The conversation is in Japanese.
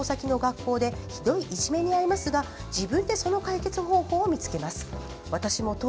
主人公は、転校先の学校でひどいいじめに遭いますが自分でその解決方法を見つけます。